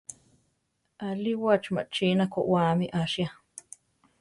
Aríwachi machína koʼwáami asia.